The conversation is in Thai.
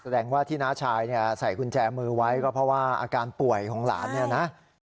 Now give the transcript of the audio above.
แสดงว่าที่น้าชายเนี่ยใส่กุญแจมือไว้ก็เพราะว่าอาการป่วยของหลานเนี่ยนะ